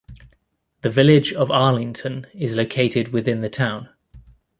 The Village of Arlington is located within the town.